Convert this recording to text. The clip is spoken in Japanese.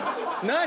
何？